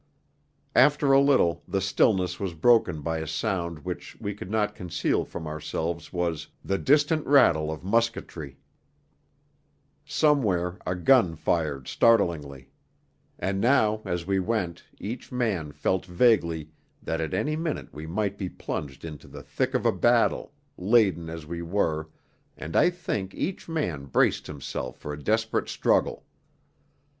After a little the stillness was broken by a sound which we could not conceal from ourselves was 'the distant rattle of musketry'; somewhere a gun fired startlingly; and now as we went each man felt vaguely that at any minute we might be plunged into the thick of a battle, laden as we were, and I think each man braced himself for a desperate struggle.